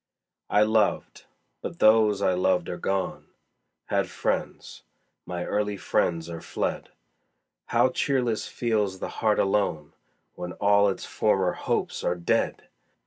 I loved but those I loved are gone; Had friends my early friends are fled: How cheerless feels the heart alone When all its former hopes are dead!